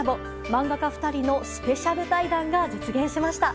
漫画家２人のスペシャル対談が実現しました。